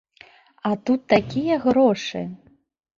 А тут такія грошы!